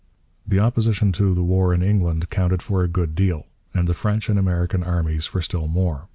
The opposition to the war in England counted for a good deal; and the French and American armies for still more.